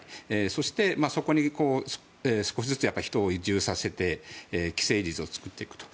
そしてそこに少しずつ人を移住させて既成事実を作っていくと。